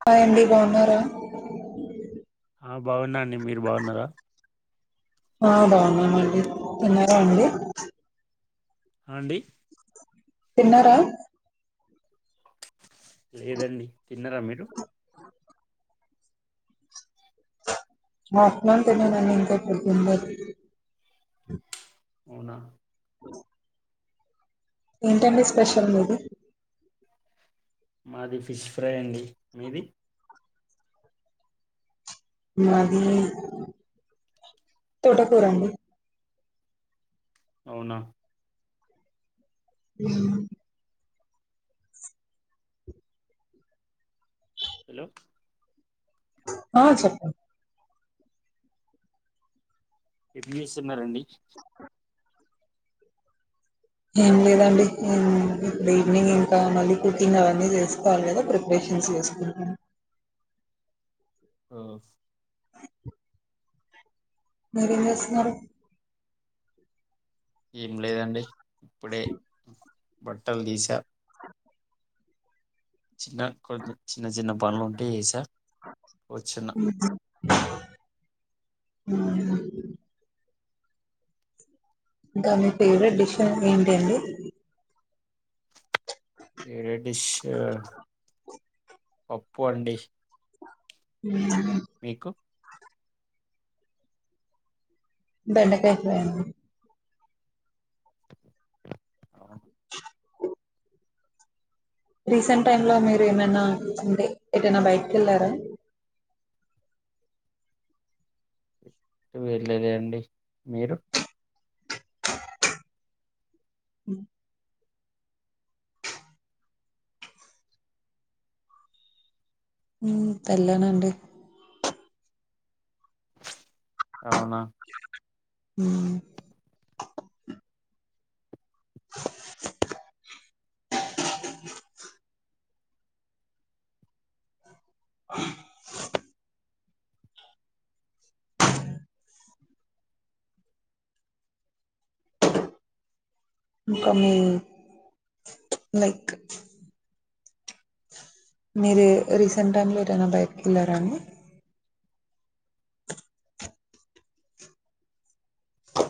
Hi అండీ బాగున్నారా ఆ బాగున్నా అండి మీరు బాగున్నారా ఆ బాగున్నామండి తిన్నారా అండి హ అండి తిన్నారా లేదండి తిన్నారా మీరు [unintelligible] అవునా [inaudible] ఏంటండి స్పెషల్ మీది మాది ఫిష్ ఫ్రై అండి మీది మాది తోటకూరండి అవునా ఆ హలో ఆ చెప్పండి ఎట్ చేస్తున్నారండి [inaudible] ఏం లేదండి ఇప్పుడు ఈవినింగ్ ఇంకా మళ్ళీ క్కుక్కింగ్ అవన్నీ చేసుకోవాలి కదా ప్రిపరేషన్స్ చేసుకుంటా ఆ మీరేం చేస్తున్నారు ఏం లేదండి ఇప్పుడే బట్టల్ దీ సా చిన్న కొన్ని చిన్న చిన్న పనులు ఉంటే చేసా కూచ్చున్న [inaudible] ఇంకా మీ ఫేవరెట్ డిషస్ ఏంటండి ఏ డిష్ పప్పు అండి మీకు [inaudible] బెండకాయ ఫ్రేయ్ అవునా ఓ రీసెంట్ టైమ్ లో మీరు ఏమైనాంటే ఏదైనా బైటికేళ్లారా టు వెళ్ళలే అండి మీరు ఉ వేళ్లనండి అవునా హు కామి లైక్ మీరు రీసెంట్ టైంలో ఏటైనా బైటికెళ్ళారా అండి అ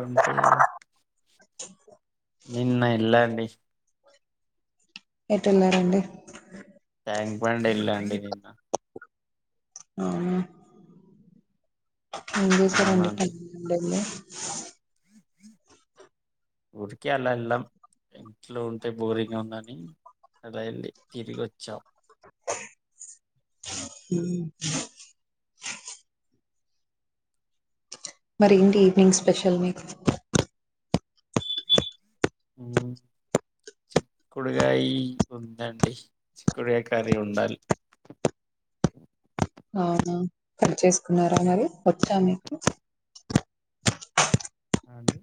అంటే నిన్న ఎల్లాండి ఏటేళ్ళారండి ట్యాంక్ బండ్ ఎల్లా అండి నిన్న అవున ఎం చేసారండి అవునండి ట్యాంక్ బండ్ దగ్గ అ ఊరికే అలా వెళ్ళాం ఇంట్లో ఉంటే బోరింగ్ గా ఉందని అలా వెళ్ళి తిరిగి వచ్చాం హ మరి ఏంటి ఈవినింగ్ స్పెషల్ మీకు చిక్కుడుగాయ్ ఉందండి చిక్కుడుగాయ్ కర్రి ఉండాలి అవునా చేసుకున్నారా మరి వచ్చా మీకు అ అండి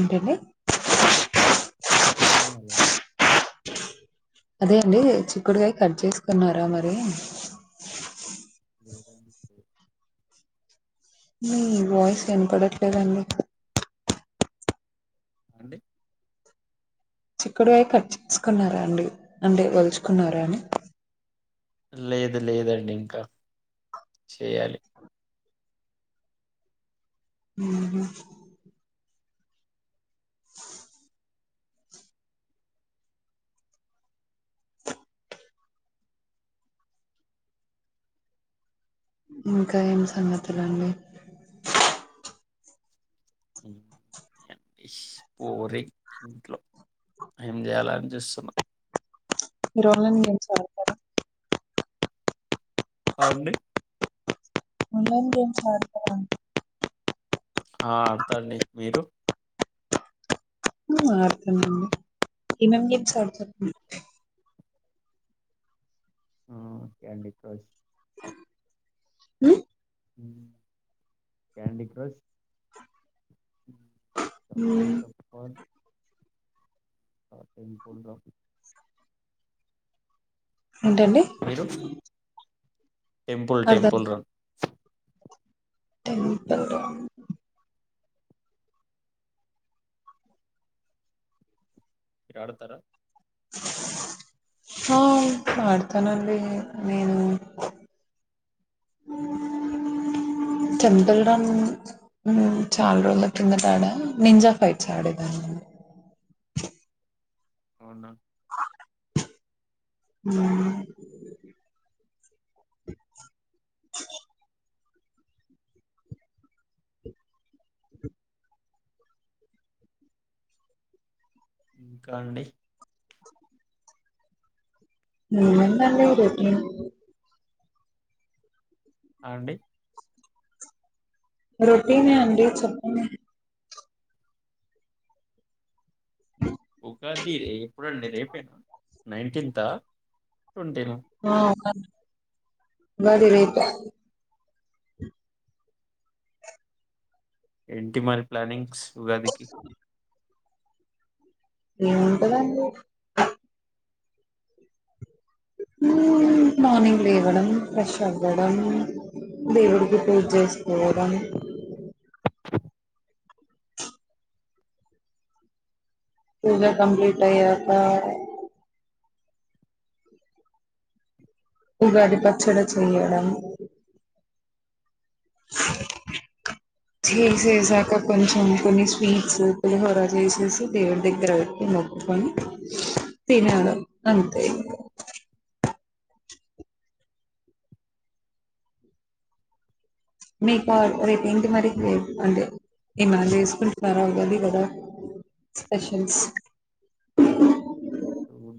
ఏంటిది అర్ధం కాలేదండి అదే అండి చిక్కుడుకాయ కట్ చేసుకున్నారా మరి లేదండి మీ వాయిస్ వినపడట్లేదండి అండి చిక్కుడుకాయ్ కట్ చేసుకున్నారా అండి అంటే ఒలుచుకున్నారా అని లేదు లేదండి ఇంకా చేయ్యాలి ఉ హు ఇంకా ఏం సంగతులండి పూరి ఇంట్లో ఏం చేయలని చూస్తున్న మీరు ఆన్లైన్ గేమ్స్గుఆతారా అండి ఆన్లైన్ గేమ్స్ ఆడతారా అండి ఆ ఆడతండి మీరు హు ఆడుతానండి ఎం ఎం గేమ్స్ ఆడుతరండీ ఆ క్యాండి క్రష్ హు క్యాండి క్రష్ స హ్మ్. వేస ప ఆ టెంపుల్ రన్ ఏంటండి మీరు టెంపుల్ అర్థం టెంపుల్ కాలే. రన్ టెంపుల్ రన్ మీరు ఆడుతారా ఆ ఆడతానండి నేను టెంపుల్ రన్ చాలా రోజుల క్రిందట ఆడా నింజా ఫైట్స్ ఆడేదాన్ని అవునా ఉమ్ ఇంకా అండి [unintelligible] అండి రొటీన్ అండి చెప్పాలి ఉగాది రే ఎప్పుడండి రేపేనా నైన్టీన్ తా ఆ ఉగాది రేపే ఏంటి మరి ప్లానింగ్స్ ఉగాదికి ఏముంటదండి మార్నింగ్ లేవడం ఫ్రెష్ అవ్వడం దేవుడికి పూజ చేసుకోవడం పూజా కంప్లీట్ అయ్యాక ఉగాది పచ్చడి చేయడం చేసేసాక కొంచెం కొన్ని స్వీట్స్ పులిహోర చేసేసి దేవుడి దగ్గర పెట్టి మొక్కుకొని తినడం అంతే మీకు రేపు ఏంటి మరి అంటే ఏమైనా చేసుకుంటున్నారా ఉగాది కదా స్పెషల్స్ ఉ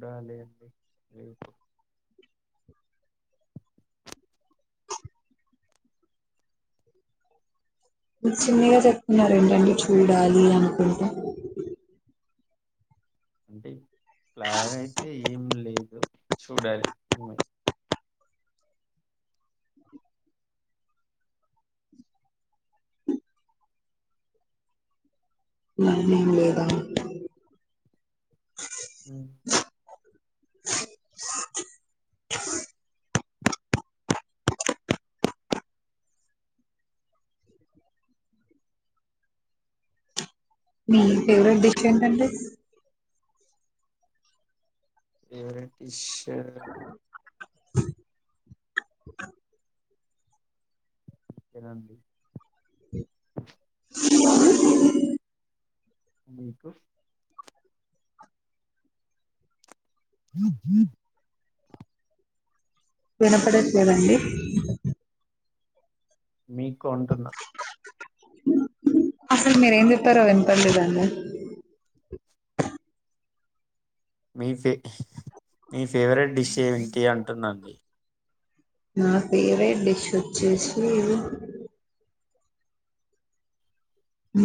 రాలే అండి చిన్నగా చెప్తున్నారు ఏంటండి చూడాలి అనుకుంటే అంటే ప్లాన్ అయితే ఏం లేదు చూడాలి ప్లాన్ ఏం లేదా ఉమ్ మీ ఫేవరెట్ డిష్ ఏంటండి ఫేవరెట్ డిష్ త్... ఇదండీ మీకు వినపడట్లేదండి మీకు అంటున్న అసలు మీరు ఏం చెప్పారో వినపన్ లేదు అండి మీ ఫే మీ ఫేవరెట్ డిష్ ఏంటి అంటున్నాను నా ఫేవరెట్ డిష్ వచ్చేసి ఇ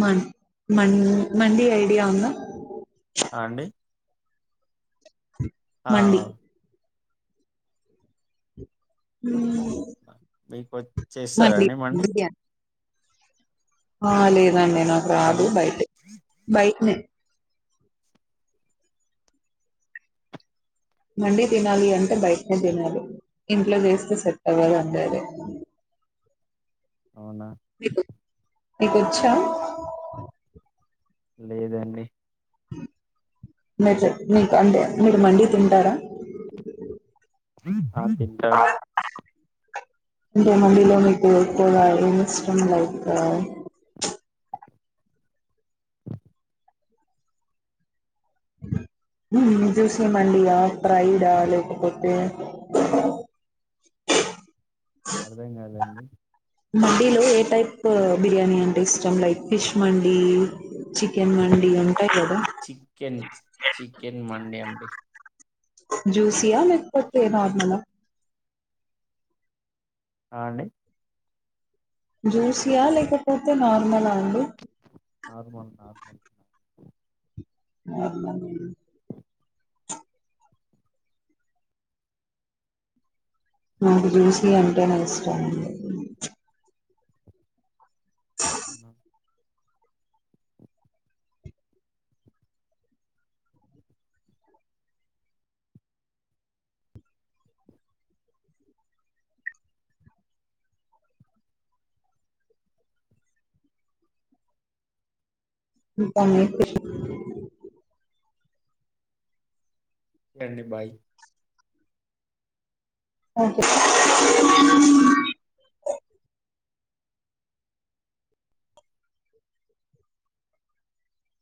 మన్ మన్ మండి ఐడియా ఉందా ఆండీ మండి హు అవునా! మీకు వచ్ చేస్తారా అండి మండి బిర్యానీ ఆ లేేదు నే నాకు ఆ! రాదు అండి. బయట బయటనే మండి తినాలి అంటే బయటనే తినాలి ఇంట్లో చేస్తే సెట్ అవ్వదు అంతే అది అవునా మీకు మీకొచ్చా లేదన్ మీక్ మీకు అంటే మీరు మండి తింటారా [unintelligible] ఆ తింటా అండి అంటే మండిలో మీకు ఎక్కువగా ఏం ఇష్టం లైక్ నిన్ చూసిన మండియా ప్రైడా లేకపోతే అర్థం కాదండి మండీలో ఏ టైప్ బిర్యానీ అంటే ఇష్టం లైక్ ఫిష్ మండి చికెన్ మండి ఉంటాయి కదా చికెన్ చికెన్ మండి అండి జూసియా లేకపోతే నార్మలా అ అండి జ్యూసియా లేకపోతే నార్మల ఆ నార్మల్ నార్మల్ నార్మలూ నాకు జ్యుసి అంటేనే ఇష్టం అవునా ఇంకా ఏమిష్ ఒకే అండి బాయ్ ఓకే